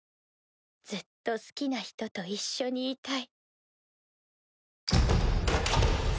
ずっと好きな人と一緒にいたい。